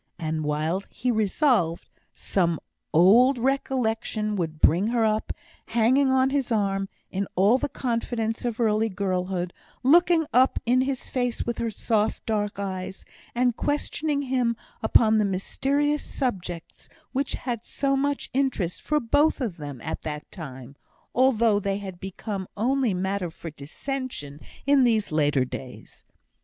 And while he resolved, some old recollection would bring her up, hanging on his arm, in all the confidence of early girlhood, looking up in his face with her soft, dark eyes, and questioning him upon the mysterious subjects which had so much interest for both of them at that time, although they had become only matter for dissension in these later days.